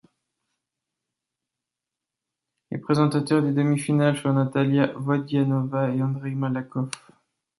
Les présentateurs des demi-finales furent Natalia Vodianova et Andreï Malakhov.